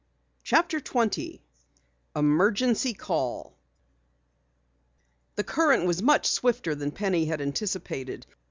CHAPTER 20 EMERGENCY CALL The current was much swifter than Penny had anticipated.